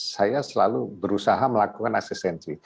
saya selalu berusaha melakukan asistensi